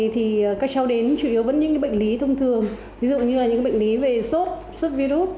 thì các cháu đến chủ yếu vẫn những bệnh lý thông thường ví dụ như là những bệnh lý về sốt sốt virus